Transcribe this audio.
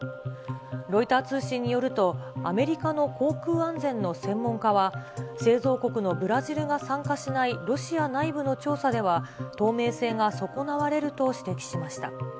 ロイター通信によると、アメリカの航空安全の専門家は、製造国のブラジルが参加しないロシア内部の調査では、透明性が損なわれると指摘しました。